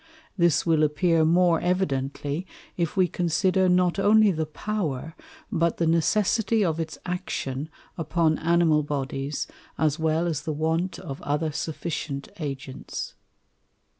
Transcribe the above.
This will appear more evidently, if we consider not only the Power, but the Necessity of its Action upon Animal Bodies, as well as the want of other sufficient Agents.